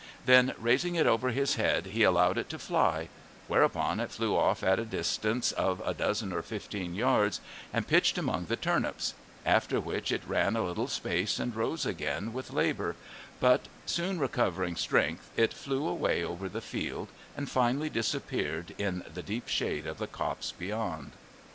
Then raising it over his head he allowed it to fly, whereupon it flew off a distance of a dozen or fifteen yards and pitched among the turnips, after which it ran a little space and rose again with labour, but soon recovering strength it flew away over the field and finally disappeared in the deep shade of the copse beyond.